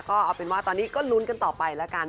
ก็เอาเป็นว่าตอนนี้ก็ลุ้นกันต่อไปแล้วกัน